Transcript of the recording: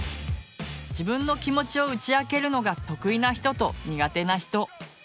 自分の気持ちを打ち明けるのが得意な人と苦手な人。